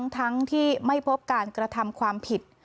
ทั้งที่ไม่พบการกระทำความผิด